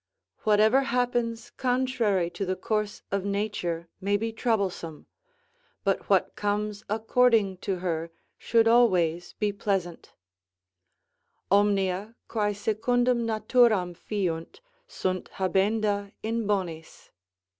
Whatever happens contrary to the course of nature may be troublesome; but what comes according to her should always be pleasant: "Omnia, quae secundum naturam fiunt, sunt habenda in bonis."